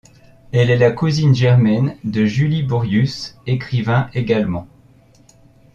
Elle est la cousine germaine de Julie Borius, écrivain également.